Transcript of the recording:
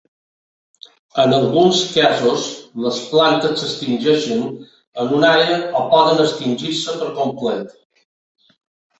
En alguns casos, les plantes s'extingeixen en una àrea o poden extingir-se per complet.